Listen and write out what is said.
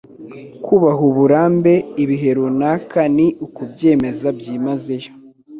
Kubaho uburambe, ibihe runaka, ni ukubyemera byimazeyo.”